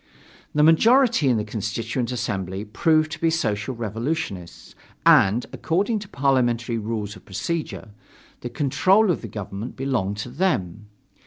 The majority in the Constituent Assembly proved to be Social Revolutionists, and, according to parliamentary rules of procedure, the control of the government belonged to them.